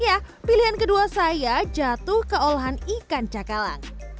ya pilihan kedua saya jatuh ke olahan ikan cakalang